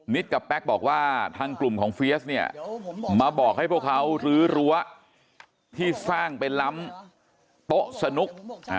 กับแป๊กบอกว่าทางกลุ่มของเฟียสเนี่ยมาบอกให้พวกเขารื้อรั้วที่สร้างเป็นล้ำโต๊ะสนุก